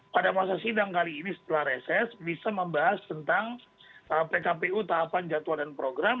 pada masa sidang kali ini setelah reses bisa membahas tentang pkpu tahapan jadwal dan program